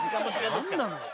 何なの？